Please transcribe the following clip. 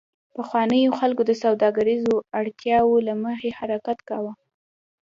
پخوانیو خلکو د سوداګریزو اړتیاوو له مخې حرکت کاوه